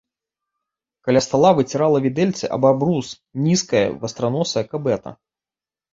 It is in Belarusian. Каля стала выцірала відэльцы аб абрус нізкая вастраносая кабета.